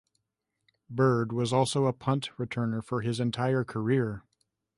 Byrd was also a punt returner for his entire career.